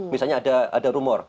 misalnya ada rumor